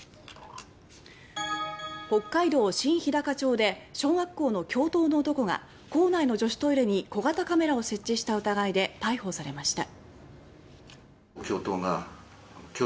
北海道新ひだか町で小学校の教頭の男が校内の女子トイレに小型カメラを設置した疑いで逮捕されました。